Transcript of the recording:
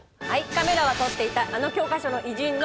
カメラは撮っていたあの教科書の偉人の貴重映像。